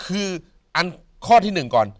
คือข้อที่หนึ่งก่อน